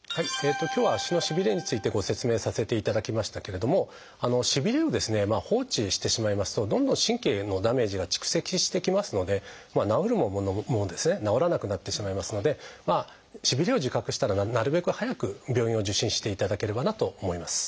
今日は足のしびれについてご説明させていただきましたけれどもしびれを放置してしまいますとどんどん神経へのダメージが蓄積してきますので治るものも治らなくなってしまいますのでしびれを自覚したらなるべく早く病院を受診していただければなと思います。